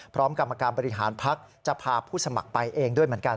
กรรมการบริหารพักจะพาผู้สมัครไปเองด้วยเหมือนกัน